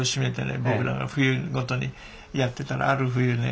僕らが冬ごとにやってたらある冬ね